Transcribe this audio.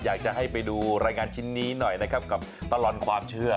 อยากจะให้ไปดูรายงานชิ้นนี้หน่อยนะครับกับตลอดความเชื่อ